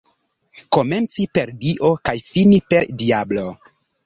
Komenci per Dio kaj fini per diablo.